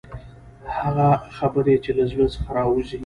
هغه خبرې چې له زړه څخه راوځي.